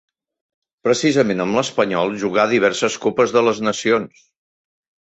Precisament, amb l'Espanyol jugà diverses Copes de les Nacions.